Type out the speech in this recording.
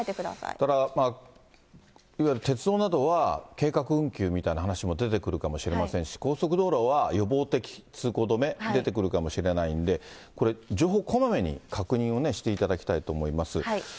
ただいわゆる鉄道などは計画運休みたいな話も出てくるかもしれませんし、高速道路は予防的通行止め、出てくるかもしれないんで、情報こまめに確認をしていただきたいと思います。